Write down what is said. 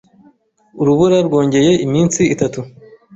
Urubura rwongeye iminsi itatu.